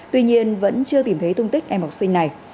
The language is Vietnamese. tuy nhiên vẫn chưa tìm thấy tung tích em học sinh này